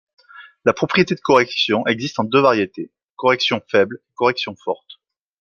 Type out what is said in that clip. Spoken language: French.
Les propriétés de correction existent en deux variétés : correction faible et correction forte.